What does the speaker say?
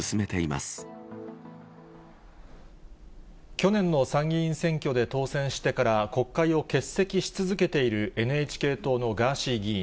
去年の参議院選挙で当選してから国会を欠席し続けているＮＨＫ党のガーシー議員。